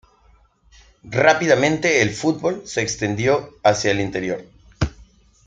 Rápidamente el fútbol se extendió hacia el interior.